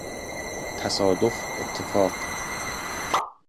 تصادف اتفاق